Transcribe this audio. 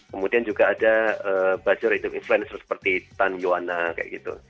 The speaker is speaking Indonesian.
kemudian juga ada buzzer itu influencer seperti tan yoana kayak gitu